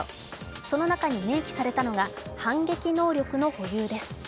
その中に明記されたのが反撃能力の保有です。